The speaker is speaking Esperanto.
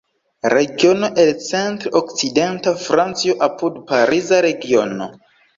Regiono el centr-okcidenta Francio apud Pariza Regiono.